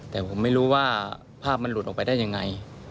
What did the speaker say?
แต่ผมไม่รู้ว่าภาพมันหลุดออกไปได้ยังไง